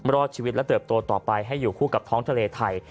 รอดชีวิตและเติบโตต่อไปให้อยู่คู่กับท้องทะเลไทย